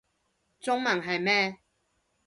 中文係咩